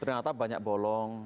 ternyata banyak bolong